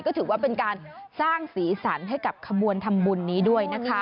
ก็ถือว่าเป็นการสร้างสีสันให้กับขบวนทำบุญนี้ด้วยนะคะ